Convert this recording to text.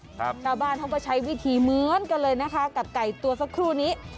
ชาวบ้านเขาก็ใช้วิธีเหมือนกันเลยนะคะกับไก่ตัวสักครู่นี้